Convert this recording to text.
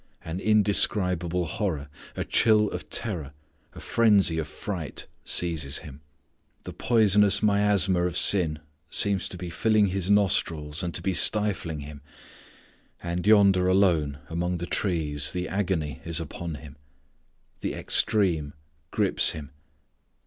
An indescribable horror, a chill of terror, a frenzy of fright seizes Him. The poisonous miasma of sin seems to be filling His nostrils and to be stifling Him. And yonder alone among the trees the agony is upon Him. The extreme grips Him.